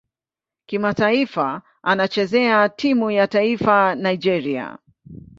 Kimataifa anachezea timu ya taifa Nigeria.